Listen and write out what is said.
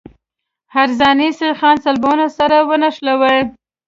عرضاني سیخان سلبونه سره نښلوي